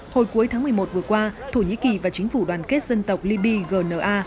hồi cuối tháng một mươi một vừa qua thổ nhĩ kỳ và chính phủ đoàn kết dân tộc liby gna